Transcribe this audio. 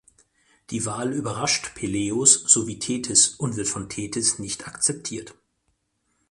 Die Wahl überrascht Peleus sowie Thetis und wird von Thetis nicht akzeptiert.